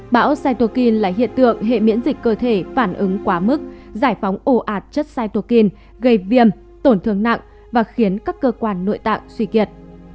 bão saitukin là hiện tượng hệ miễn dịch cơ thể phản ứng quá mức giải phóng ồ ạt chất saitukin gây viêm tổn thương nặng và khiến các cơ quan nội tạng suy kiệt